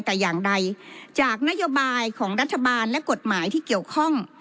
แต่อย่างใดจากนโยบายของรัฐบาลและกฎหมายที่เกี่ยวข้อง